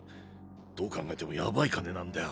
どう考えてもヤバイ金なんだよ